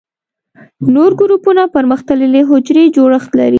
نور ګروپونه پرمختللي حجروي جوړښت لري.